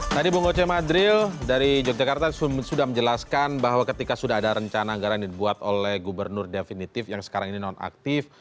tadi bu ngoce madril dari yogyakarta sudah menjelaskan bahwa ketika sudah ada rencana anggaran yang dibuat oleh gubernur definitif yang sekarang ini non aktif